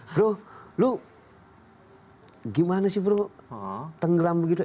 bro lo gimana sih bro tenggelam begitu